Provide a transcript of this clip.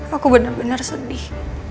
aku benar benar sedih